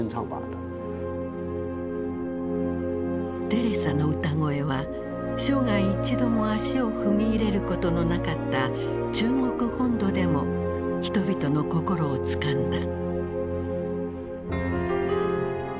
テレサの歌声は生涯一度も足を踏み入れることのなかった中国本土でも人々の心をつかんだ。